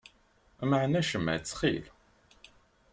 Mɛen acemma, ttxil.